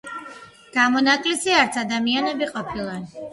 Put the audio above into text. გამონაკლისი არც ადამიანები ყოფილან.